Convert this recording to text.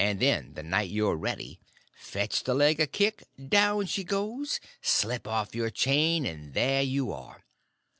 Then, the night you're ready, fetch the leg a kick, down she goes; slip off your chain, and there you are.